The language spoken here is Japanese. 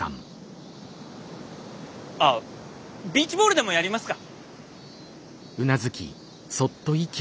あっビーチボールでもやりますか。